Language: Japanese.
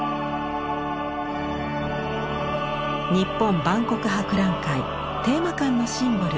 日本万国博覧会テーマ館のシンボル